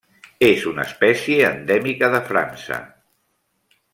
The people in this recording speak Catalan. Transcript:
És una espècie endèmica de França.